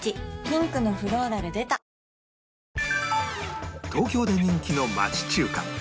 ピンクのフローラル出た東京で人気の町中華